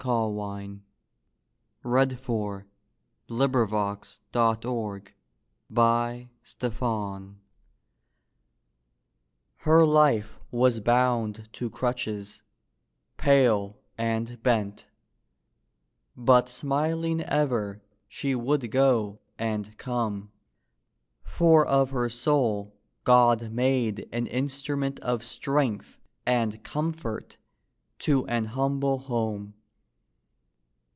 Look on me whose hour's begun!" THE BETTER LOT Her life was bound to crutches: pale and bent, But smiling ever, she would go and come: For of her soul God made an instrument Of strength and comfort to an humble home.